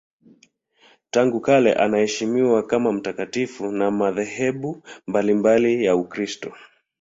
Tangu kale anaheshimiwa kama mtakatifu na madhehebu mbalimbali ya Ukristo.